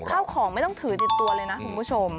ข้าวของไม่ต้องถือติดตัวเลยนะคุณผู้ชม